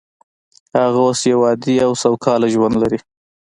هغه اوس یو عادي او سوکاله ژوند لري